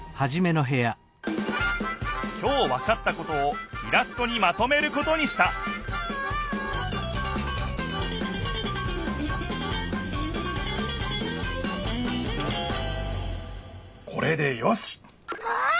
きょうわかったことをイラストにまとめることにしたこれでよしっ！